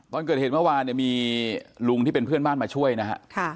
ตอนเกิดเหตุเมื่อวานเนี่ยมีลุงที่เป็นเพื่อนบ้านมาช่วยนะฮะ